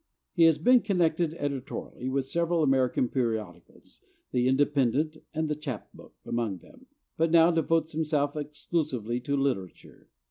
He has been connected editorially with several American periodicals, the Independent and the Chap Book among them, but now devotes himself exclusively to literature.